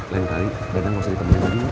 lain kali dadang gak usah ditemani lagi